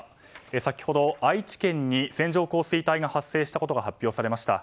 先ほど愛知県に線上降水帯が発生したことが発表されました。